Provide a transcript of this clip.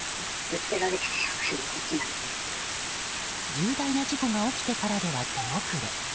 重大な事故が起きてからでは手遅れ。